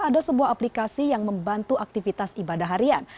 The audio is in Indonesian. ada sebuah aplikasi yang membantu aktivitas ibadah harian